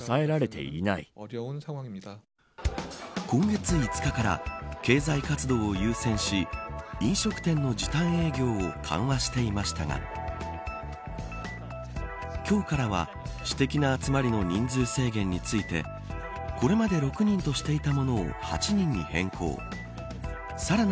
今月５日から経済活動を優先し飲食店の時間営業を緩和していましたが今日からは、私的な集まりの人数制限についてこれまで６人としていたものを８人に変更。